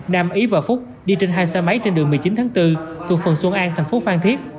nam ý và phúc đi trên hai xe máy trên đường một mươi chín tháng bốn thuộc phường xuân an thành phố phan thiết